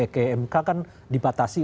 ke mk kan dibatasi